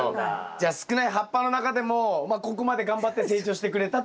じゃ少ない葉っぱの中でもまあここまで頑張って成長してくれたっていうことですよね。